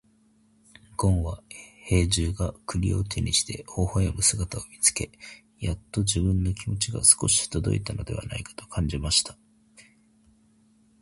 ごんは兵十が栗を手にして微笑む姿を見つけ、やっと自分の気持ちが少し届いたのではないかと感じました。